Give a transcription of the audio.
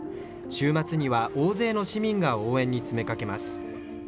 週末には大勢の市民が応援に詰めかけます。